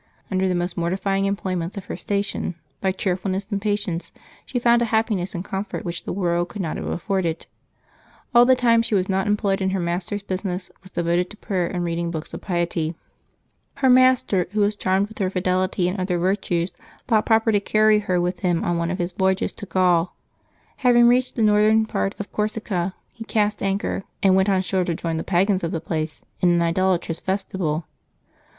Under the most mortifying employments of her station, by cheerfulness and patience she found a happiness and com fort which the world could not have afforded. All the time she was not employed in her master's business was devoted to prayer and reading books of piety. Her master, who was charmed with her fidelity and other virtues, thought proper to carry her with him on one of his voyages to Gaul. Having reached the northern part of Corsica, he cast anchor, and went on shore to join the pagans of the place in an idolatrous festival.